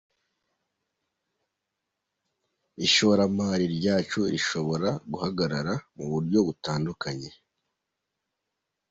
Ishoramari ryacu rishobora guhagarara mu buryo butandukanye.